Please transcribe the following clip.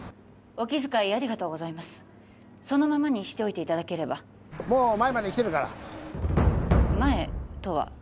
お気遣いありがとうございますそのままにしておいていただければもう前まで来てるから前とは？